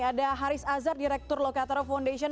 ada haris azhar direktur locatara foundation